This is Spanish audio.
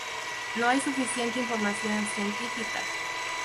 No hay suficiente información científica.